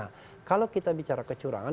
nah kalau kita bicara kecurangan